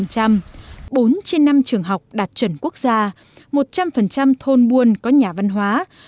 bốn trên năm trường học đạt chuẩn quốc gia một trăm linh thôn buôn có nhà văn hóa